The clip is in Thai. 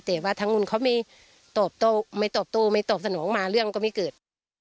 แต่ว่าทั้งนู้นเขาไม่ตอบโต้ไม่ตอบโต้ไม่ตอบสนองมาเรื่องก็ไม่เกิด